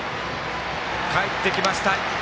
かえってきました。